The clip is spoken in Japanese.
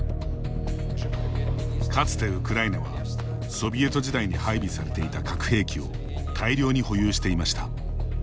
かつてウクライナはソビエト時代に配備されていた核兵器を大量に保有していました。